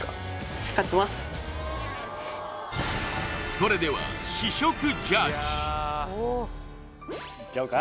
それではいっちゃおうか？